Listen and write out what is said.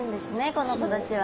この子たちは。